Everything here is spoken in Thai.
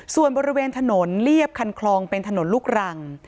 ส่วนบริเวณถนนเรียบคันคลองเป็นถนนลูกรัง